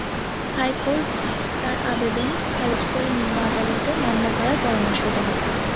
High court তাঁর আবেদন খারিজ করে নিম্ন আদালতে মামলা করার পরামর্শ দেন।